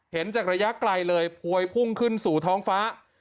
จากระยะไกลเลยพวยพุ่งขึ้นสู่ท้องฟ้า